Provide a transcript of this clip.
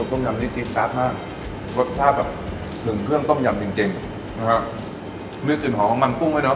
รสชาติแบบถึงเครื่องก้มยำจริงจริงนะฮะมีกลิ่นหอมของมันกุ้งไว้เนอะ